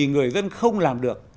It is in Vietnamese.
người dân không làm được